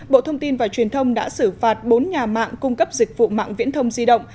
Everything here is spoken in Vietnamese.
bộ thông tin và truyền thông đã xử phạt bốn nhà mạng cung cấp dịch vụ mạng viễn thông di động